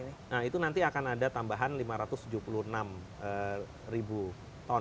nah itu nanti akan ada tambahan lima ratus tujuh puluh enam ribu ton